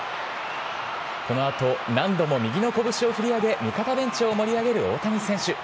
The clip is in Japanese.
このあと、何度も右の拳を振り上げ味方ベンチを盛り上げる大谷選手。